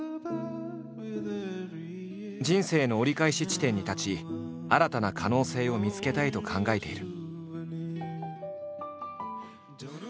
人生の折り返し地点に立ち新たな可能性を見つけたいと考えている。